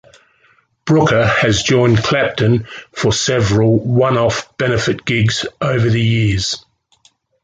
Brooker has joined Clapton for several one-off benefit gigs over the years.